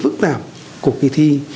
phức tạp của kỳ thi